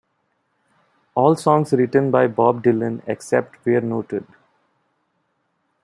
All songs written by Bob Dylan except where noted.